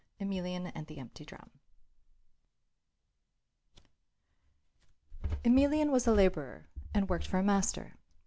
EMELIAN AND THE EMPTY DRUM Emelian was a labourer and worked for a master.